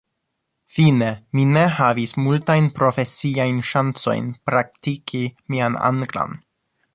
Fine mi ne havis multajn profesiajn ŝancojn praktiki mian anglan.